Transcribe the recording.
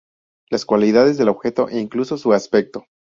Las cualidades del objeto e incluso su aspecto.